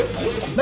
何？